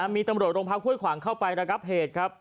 มีตำรวจโรงพักห้วยขวางเข้าไประงับเหตุครับ